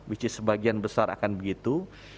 which is sebagian besar akan begitu